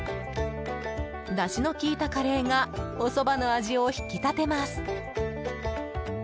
だしのきいたカレーがおそばの味を引き立てます。